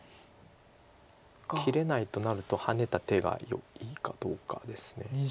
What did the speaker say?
切れないとなるとハネた手がいいかどうかです。